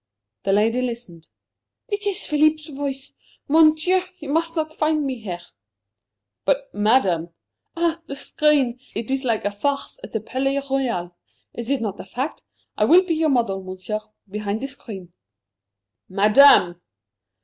The lady listened. "It is Philippe's voice! Mon Dieu! He must not find me here." "But, Madame " "Ah, the screen! It is like a farce at the Palais Royal is it not a fact? I will be your model, Monsieur, behind the screen!" "Madame!"